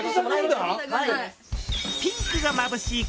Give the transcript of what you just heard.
ピンクがまぶしい